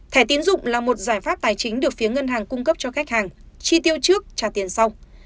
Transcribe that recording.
thẻ tiến dụng là một giải pháp tài chính được phía ngân hàng cung cấp cho khách hàng chi tiêu trước trả tiền xong